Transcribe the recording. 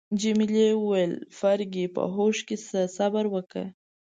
جميلې وويل: فرګي، په هوښ کي شه، صبر وکړه.